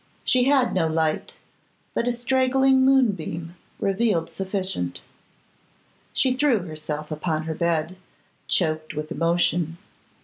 She had no light but a straggling moonbeam revealed sufficient. She threw herself upon her bed, choked with emotion.